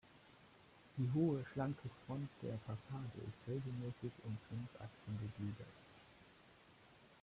Die hohe, schlanke Front der Fassade ist regelmäßig in fünf Achsen gegliedert.